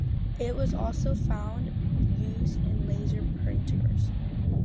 It also found use in laser printers.